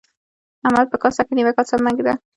احمده! په کاسه کې نيمه کاسه مه اېږده.